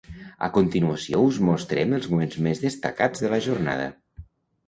A continuació us mostrem els moments més destacats de la jornada.